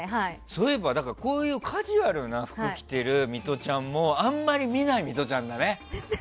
そういえばこういうカジュアルな服を着てるミトちゃんもあんまり見ないミトちゃんだね。